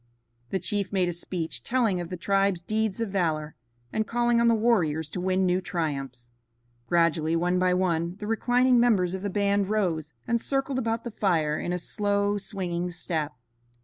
The chief made a speech telling of the tribe's deeds of valor, and calling on the warriors to win new triumphs. Gradually one by one the reclining members of the band rose and circled about the fire in a slow swinging step.